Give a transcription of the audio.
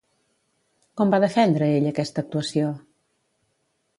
Com va defendre ell aquesta actuació?